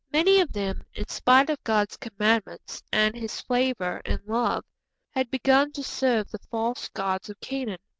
Many of them, in spite of God's commandments and His favour and love, had begun to serve the false gods of Canaan.